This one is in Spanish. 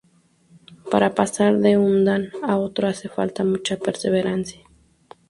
Para pasar de un "dan" a otro hace falta mucha perseverancia.